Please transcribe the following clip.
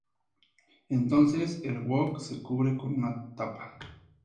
Entonces el wok se cubre con una tapa.